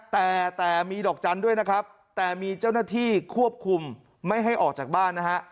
แต่แต่มีดอกจันทร์ด้วยนะครับแต่มีเจ้าหน้าที่ควบคุมไม่ให้ออกจากบ้านนะฮะ